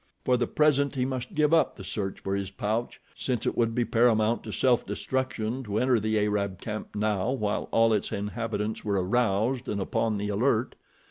For the present he must give up the search for his pouch, since it would be paramount to self destruction to enter the Arab camp now while all its inhabitants were aroused and upon the alert.